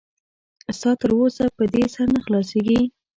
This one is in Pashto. ستا تر اوسه په دې سر نه خلاصېږي.